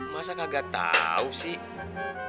masa kagak tau sih